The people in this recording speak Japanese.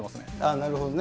なるほどね。